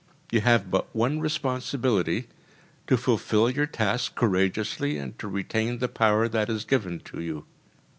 You have but one responsibility: to fulfil your task courageously and to retain the power that is given to you.